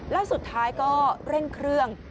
แล้วสุดท้ายก็เร่งเครื่อง